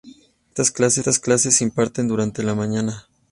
Estas clases se imparten durante la mañana.